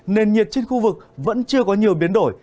nền nhiệt trên khu vực vẫn chưa có nhiều biến đổi